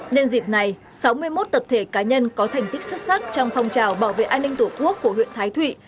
nhân dịp này sáu mươi một tập thể cá nhân có thành tích xuất sắc trong phong trào bảo vệ an ninh tổ quốc của huyện thái thụy